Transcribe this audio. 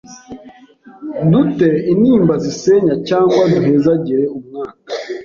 dute intimba zisenya Cyangwa duhezagire umwaka